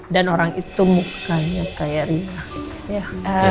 dan orang itu mukanya kayak ria